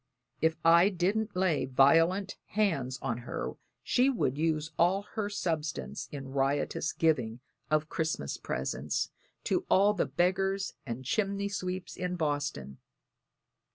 If I didn't lay violent hands on her she would use all our substance in riotous giving of Christmas presents to all the beggars and chimney sweeps in Boston.